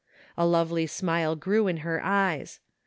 A lovely smile grew in her eyes.